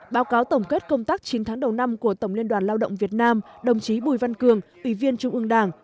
báo cáo tổng kết công tác chín tháng đầu năm của tổng liên đoàn lao động việt nam đồng chí bùi văn cường ủy viên trung ương đảng